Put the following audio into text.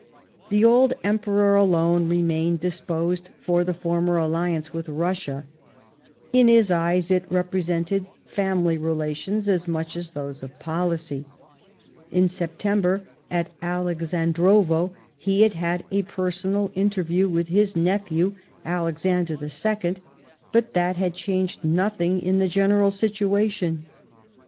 The old Emperor alone remained disposed for the former alliance with Russia ; in his eyes it repre sented family relations as much as those of policy ; in September, at Alexandrovo, he had had a per sonal interview with his nephew Alexander II, but that had changed nothing in the general situa tion.